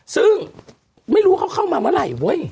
ซึ่งไม่รู้เขาเข้ามาเมื่อไหร่เว้ย